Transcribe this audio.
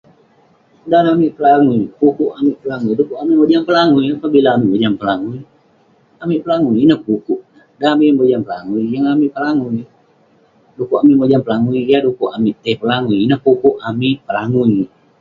Dan amik pelangui, du'kuk amik pelangui..du'kuk amik mojam pelangui..pabila amik mojam pelangui, amik pelangui..ineh pu'kuk neh..dan amik yeng mojam pelangui, yeng amik pelangui..du'kuk amik mojam pelangui, yah du'kuk amik tai pelangui..ineh pu'kuk amik pelangui..